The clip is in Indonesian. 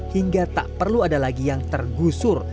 hingga tak perlu ada lagi yang tergusur